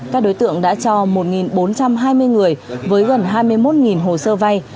các đối tượng đã cho một bốn trăm hai mươi người với gần hai mươi một hồ sơ vay